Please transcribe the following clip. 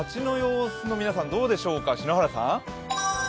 街の様子、皆さんどうでしょうか、篠原さん。